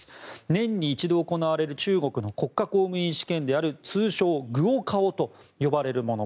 年に一度行われる中国の国家公務員試験である通称・国考と呼ばれるもの。